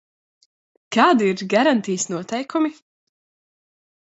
Kādi ir garantijas noteikumi?